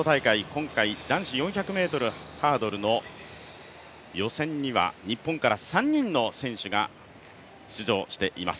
今回、男子４００ｍハードルの予選には日本から３人の選手が出場しています。